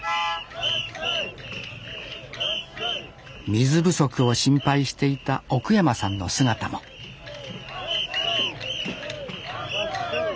水不足を心配していた奥山さんの姿もわっしょい！